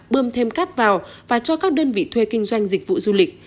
bơm thêm cát vào và cho các đơn vị thuê kinh doanh dịch vụ du lịch